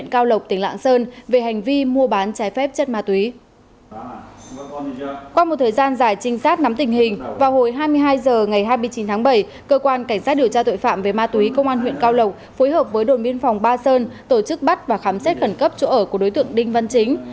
qua một thời gian dài trinh sát nắm tình hình vào hồi hai mươi hai h ngày hai mươi chín tháng bảy cơ quan cảnh sát điều tra tội phạm về ma túy công an huyện cao lộc phối hợp với đồn biên phòng ba sơn tổ chức bắt và khám xét khẩn cấp chỗ ở của đối tượng đinh văn chính